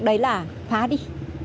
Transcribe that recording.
đấy là phá đi